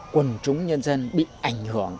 quần chúng nhân dân bị ảnh hưởng